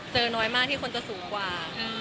น้อยมากที่คนจะสูงกว่า